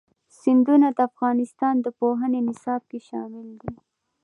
سیندونه د افغانستان د پوهنې نصاب کې شامل دي.